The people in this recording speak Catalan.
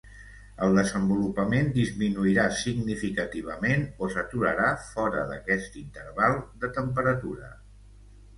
El desenvolupament disminuirà significativament o s'aturarà fora d'aquest interval de temperatura.